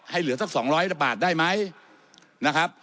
ให้เหลือสักสองร้อยสักบาทได้ไหมนะครับ